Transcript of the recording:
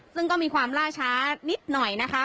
ซึ่งก็มีความล่าช้านิดหน่อยนะคะ